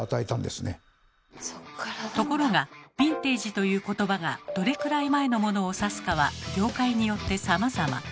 ところが「ヴィンテージ」という言葉がどれくらい前のモノを指すかは業界によってさまざま。